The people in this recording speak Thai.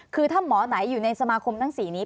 คือถ้าหมอไหนอยู่ในสมาคมทั้ง๔นี้